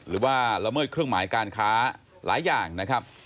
ละเมิดเครื่องหมายการค้าหลายอย่างนะครับ